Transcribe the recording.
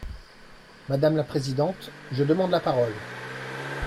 Madame la présidente, je demande la parole.